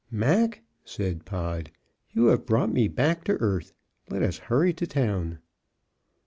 "Mac," said Pod, "you have brought me back to earth. Let us hurry to town."